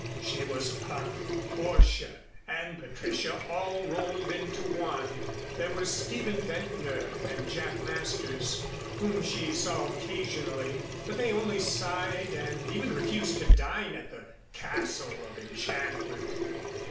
She was Puck, Portia and Patricia all rolled into one. There were Stephen Ventnor and Jack Masters, whom she still saw occasionally, but they only sighed and even refused to dine at the Castle of Enchantment.